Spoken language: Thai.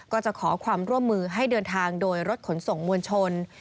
ก็จะขอความร่วมมือให้เดินทางโดยรถขนส่งมวลชน